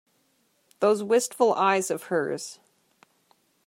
Those wistful eyes of hers!